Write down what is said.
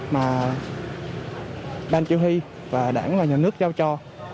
mà ban chỉ huy và đảng và nhà nước giao cho